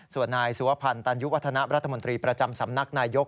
ส่วนนายสุวพันธ์ตันยุวัฒนะรัฐมนตรีประจำสำนักนายยก